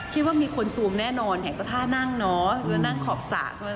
คิดว่ามีคนซูมแน่นอนแหละก็ถ้านั่งเนาะนั่งขอบสาก